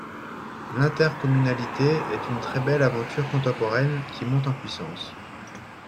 L’intercommunalité est une très belle aventure contemporaine, qui monte en puissance.